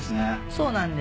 そうなんです。